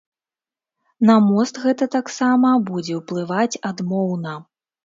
На мост гэта таксама будзе ўплываць адмоўна.